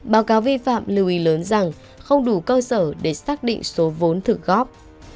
báo cáo vi phạm lưu ý lớn rằng không đủ cơ sở để xác định số vốn thực góp